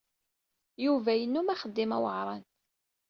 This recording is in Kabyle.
Yuba yennum axeddim aweɛṛan.